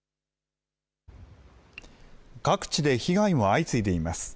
各地で被害も相次いでいます。